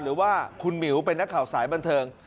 หรือว่าคุณหมิวเป็นนักข่าวสายบันเทิง